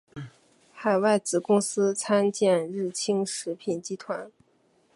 海外子公司参见日清食品集团。